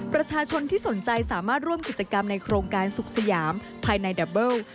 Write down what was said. ประชาชนที่สนใจสามารถร่วมกิจกรรมในโครงการสุขสยามภายในดับเบิ้ล